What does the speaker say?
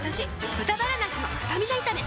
「豚バラなすのスタミナ炒め」